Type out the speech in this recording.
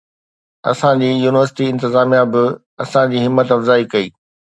اسان جي يونيورسٽي انتظاميا به اسان جي همت افزائي ڪئي